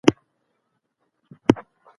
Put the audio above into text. قال الله تبارك وتعالى فى القران المجيد: